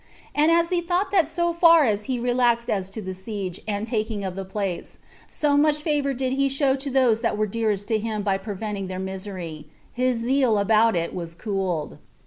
And as he thought that so far as he relaxed as to the siege and taking of the place, so much favor did he show to those that were dearest to him by preventing their misery, his zeal about it was cooled.